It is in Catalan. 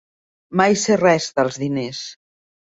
Mai sé res dels diners.